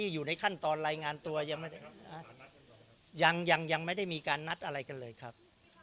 ยังยังไม่ได้มีการนัดอะไรกันเลยครับ